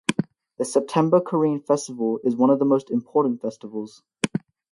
The September Korean Festival is one of the most important festivals.